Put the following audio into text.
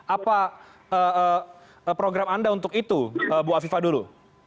apa program anda untuk itu bu afifah dulu